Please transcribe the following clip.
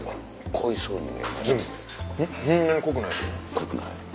濃くない。